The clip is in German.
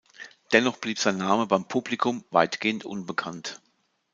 Dennoch blieb sein Name beim Publikum weitgehend unbekannt.